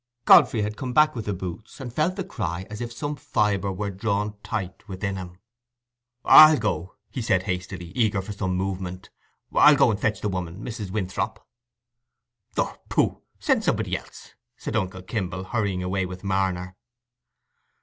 Godfrey had come back with the boots, and felt the cry as if some fibre were drawn tight within him. "I'll go," he said, hastily, eager for some movement; "I'll go and fetch the woman—Mrs. Winthrop." "Oh, pooh—send somebody else," said uncle Kimble, hurrying away with Marner.